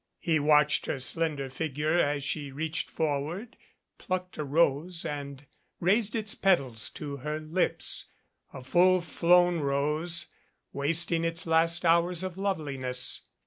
He watched her slender figure as she reached forward, plucked a rose and raised its petals to her lips a full blown rose, wasting its last hours of loveliness.